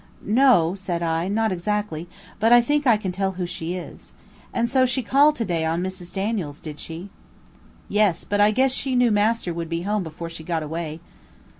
"No," said I, "not exactly; but I think I can tell who she is. And so she called to day on Mrs. Daniels, did she." "Yes, but I guess she knew master would be home before she got away."